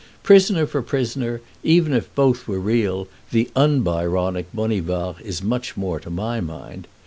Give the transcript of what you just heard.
Prisoner for prisoner, even if both were real, the un Byronic Bonivard is much more to my mind.